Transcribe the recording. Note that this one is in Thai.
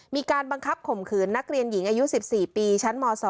มีการบังคับข่มขืนนักเรียนหญิงอายุ๑๔ปีชั้นม๒